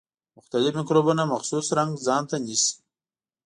مختلف مکروبونه مخصوص رنګ ځانته نیسي.